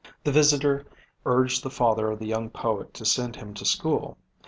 The visitor urged the father of the young poet to send him to school.